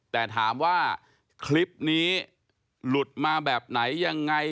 แต่ถามว่าคลิปนี้หลุดมาแบบไหนยังไง